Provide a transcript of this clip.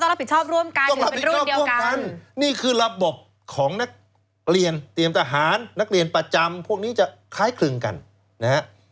รับผิดชอบร่วมกันต้องรับผิดชอบร่วมกันนี่คือระบบของนักเรียนเตรียมทหารนักเรียนประจำพวกนี้จะคล้ายคลึงกันนะฮะ